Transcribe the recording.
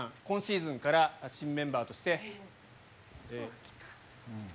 今シーズンから新メンバーとして。